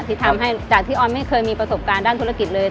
ที่ทำให้จากที่ออนไม่เคยมีประสบการณ์ด้านธุรกิจเลย